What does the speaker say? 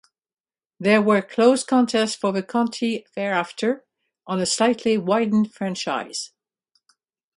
There were close contests for the county thereafter, on a slightly widened franchise.